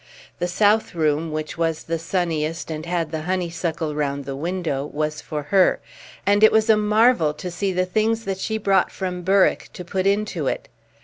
The south room, which was the sunniest and had the honeysuckle round the window, was for her; and it was a marvel to see the things that she brought from Berwick to put into it.